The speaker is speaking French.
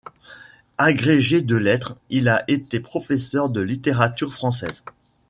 Agrégé de lettres, il a été professeur de littérature française.